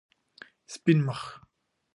سپین مخ